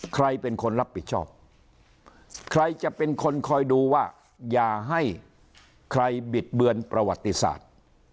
ใครเป็นคนรับผิดชอบใครจะเป็นคนคอยดูว่าอย่าให้ใครบิดเบือนประวัติศาสตร์